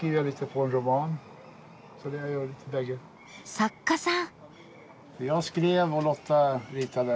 作家さん！